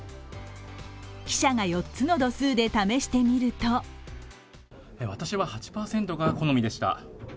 記者が４つの度数で試してみると私は８％が好みでした。